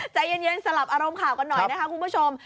ใจเย็นสลับอารมณ์ข่าวกันหน่อยนะคะคุณผู้ชม